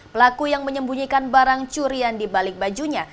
pelaku yang menyembunyikan barang curian di balik bajunya